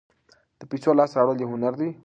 د پیسو لاسته راوړل یو هنر دی.